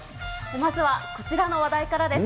まずはこちらの話題からです。